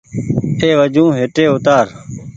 اي وجون هيٽي اوتآر ۔